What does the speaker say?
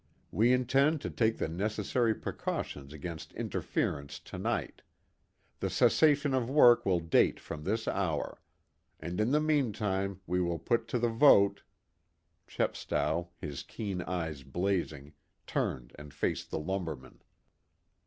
We intend to take the necessary precautions against interference to night. The cessation of work will date from this hour. And in the meantime we will put to the vote " Chepstow, his keen eyes blazing, turned and faced the lumberman.